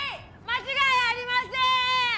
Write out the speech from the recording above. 間違いありませーん。